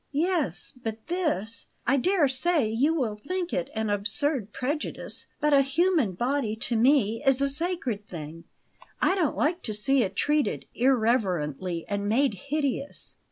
"Yes; but this I dare say you will think it an absurd prejudice; but a human body, to me, is a sacred thing; I don't like to see it treated irreverently and made hideous."